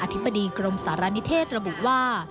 ธิบดีกรมสารณิเทศระบุว่า